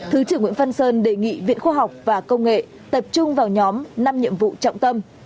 thứ trưởng nguyễn phan sơn đề nghị viện khoa học và công nghệ tập trung vào nhóm năm nhiệm vụ trọng tâm